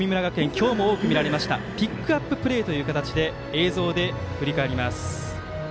今日も多く見られましたピックアッププレーという形で映像で振り返ります。